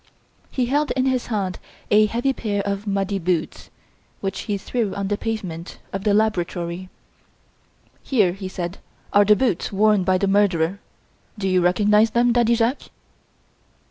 He held in his hand a heavy pair of muddy boots, which he threw on the pavement of the laboratory. "Here," he said, "are the boots worn by the murderer. Do you recognise them, Daddy Jacques?"